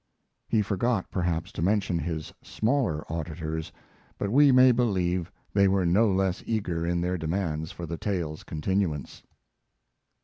He forgot, perhaps, to mention his smaller auditors, but we may believe they were no less eager in their demands for the tale's continuance.